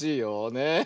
ねえ。